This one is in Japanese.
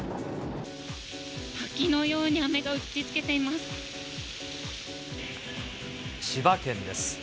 滝のように雨が打ちつけてい千葉県です。